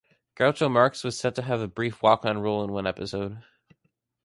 Groucho Marx was set to have a brief walk-on role in one episode.